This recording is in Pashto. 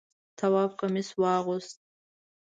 تواب کمیس واغوست.